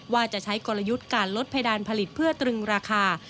ว่าจะใช้กลยุทธ์การลดเพดานผลิตเพื่อตรึงราคา